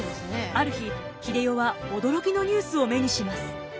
ある日英世は驚きのニュースを目にします。